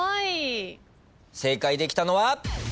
正解できたのは。